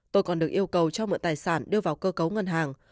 tôi còn được yêu cầu cho mượn tài sản đưa vào cơ cấu ngân hàng